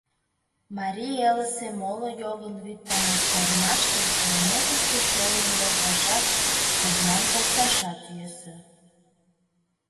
Марий элысе моло йогын вӱд таҥастарымаште Элнетыште шолым волташат, пырням покташат йӧсӧ.